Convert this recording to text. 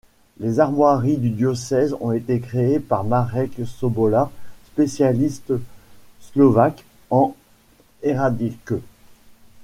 Les armoiries du diocèse ont été créées par Marek Sobola, spécialiste slovaque en héraldique.